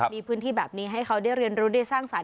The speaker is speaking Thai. มีพื้นที่แบบนี้ให้เขาได้เรียนรู้ได้สร้างสรรค